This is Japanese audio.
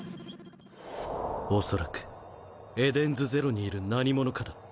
おそらくエデンズゼロにいる何者かだ。